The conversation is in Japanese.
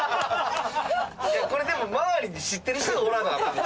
これでも周りに知ってる人がおらなアカン。